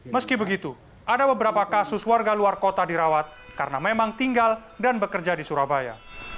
meski begitu ada beberapa kasus warga luar kota dirawat karena memang tinggal dan bekerja di surabaya